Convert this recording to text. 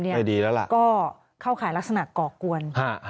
ไม่ดีแล้วล่ะก็เข้าข่ายลักษณะก่อกวน